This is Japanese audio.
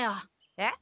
えっ？